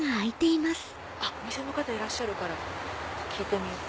お店の方いらっしゃるから聞いてみよう。